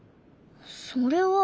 それは。